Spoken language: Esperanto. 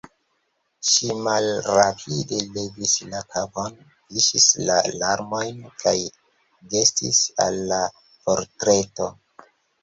Ŝi malrapide levis la kapon, viŝis la larmojn kaj gestis al la portreto.